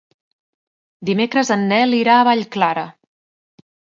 Dimecres en Nel irà a Vallclara.